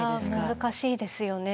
難しいですよね。